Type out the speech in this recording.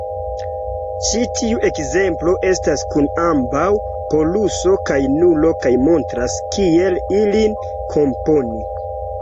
Ĉi tiu ekzemplo estas kun ambaŭ poluso kaj nulo kaj montras kiel ilin komponi.